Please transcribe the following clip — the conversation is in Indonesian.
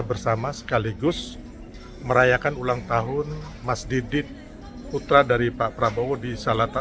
bersama sekaligus merayakan ulang tahun mas didit putra dari pak prabowo di salata